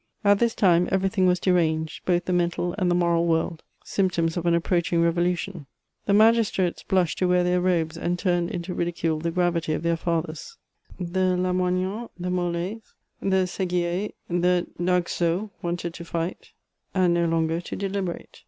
At this time every thing was deranged, both the mental and the moral world, — symptoms of an approaching revolution. The magistrates blushed to wear their robes, and turned into ridicule the gravity of their fathers. The Lamoignons, the Moles, the Seguiers, the d'Aguesseaus, wanted to fight, and no longer to deliberate.